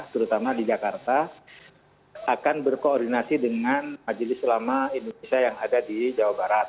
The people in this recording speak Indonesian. terutama di jakarta akan berkoordinasi dengan majelis ulama indonesia yang ada di jawa barat